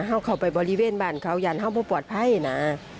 เขาเข้าไปบริเวณบ้านเขายังเพื่อปลอดภัยนะ